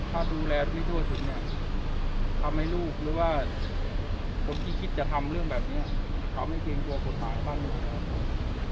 ถ้าดูแลไม่ทั่วชุดเนี่ยทำให้ลูกหรือว่าคนที่คิดจะทำเรื่องแบบเนี่ยทำให้เกรงตัวกดหายบ้านลูกนะครับ